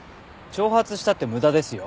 挑発したって無駄ですよ。